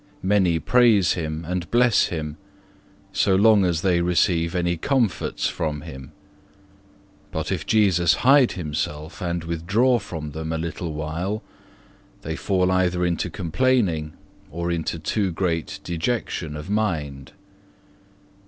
Many praise Him and bless Him, so long as they receive any comforts from Him. But if Jesus hide Himself and withdraw from them a little while, they fall either into complaining or into too great dejection of mind.